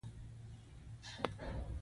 څنګه به ځان ژغورو.